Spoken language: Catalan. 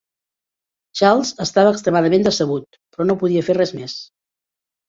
Charles estava extremadament decebut, però no podia fer res més.